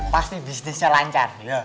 pasti bisnisnya lancar